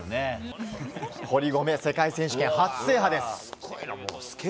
堀米、世界選手権初制覇です。